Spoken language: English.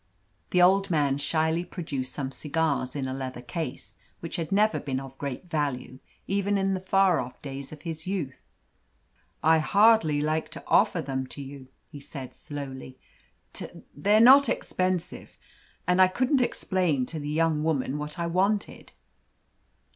The old man shyly produced some cigars in a leather case, which had never been of great value, even in the far off days of its youth. "I hardly like to offer them to you," he said slowly. "T they're not expensive, and I couldn't explain to the young woman what I wanted."